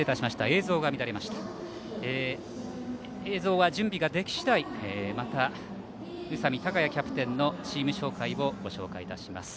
映像は準備ができ次第また宇佐美貴也キャプテンのチーム紹介をご紹介します。